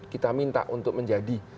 kita minta untuk menjadi